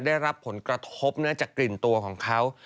ได้รับผลกระทบจากกลิ่นตัวของเขา